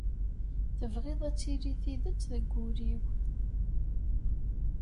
Tebɣiḍ ad tili tidet deg wul-iw.